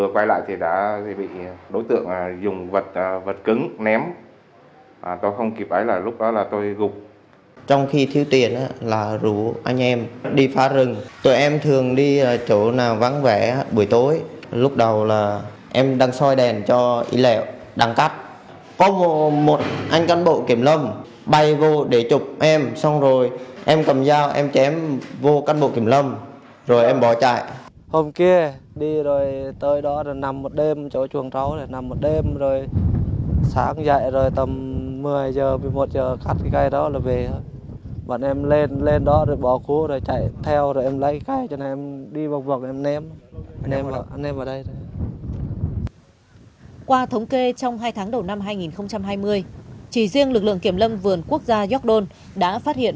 qua thống kê trong hai tháng đầu năm hai nghìn hai mươi chỉ riêng lực lượng kiểm lâm vườn quốc gia gióc đôn